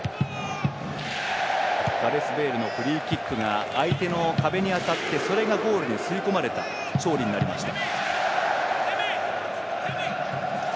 ガレス・ベイルのフリーキックが相手の壁に当たってそれがゴールに吸い込まれた勝利になりました。